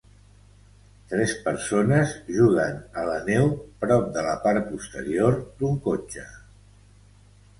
Tres persones juguen a la neu prop de la part posterior d'un cotxe.